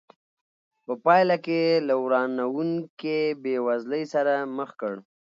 په پایله کې له ورانوونکې بېوزلۍ سره مخ کړ.